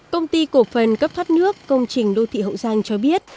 công ty cổ phần cấp thoát nước công trình đô thị hậu giang cho biết